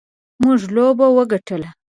موږ لوبه وګټله.